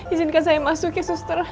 izinkan saya masuk ya suster